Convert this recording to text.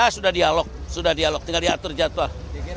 sudah dialog sudah dialog tinggal diatur jadwal